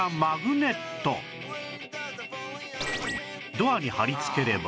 ドアに貼り付ければ